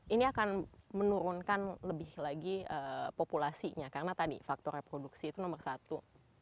ini akan menurunkan lebih lagi populasinya karena tadi faktor reproduksi itu nomor satu